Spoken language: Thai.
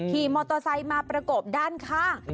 ขี่มอเตอร์ไซค์มาประกบด้านข้าง